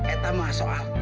eh tamah soal